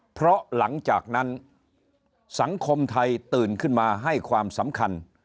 เพราะหลังจากนั้นสังคมไทยตื่นขึ้นมาให้ความสำคัญ